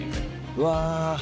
うわ！